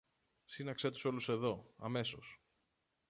Σύναξε τους όλους εδώ, αμέσως!